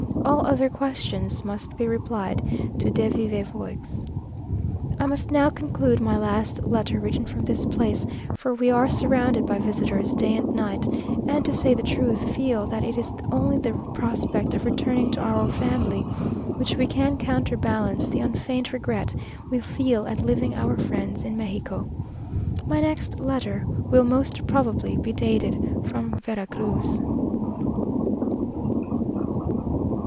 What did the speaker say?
All other questions must be replied to de vive voix. I must now conclude my last letter written from this place; for we are surrounded by visitors, day and night; and, to say the truth, feel that it is only the prospect of returning to our family, which can counterbalance the unfeigned regret we feel at leaving our friends in Mexico. My next letter will most probably be dated from Vera Cruz.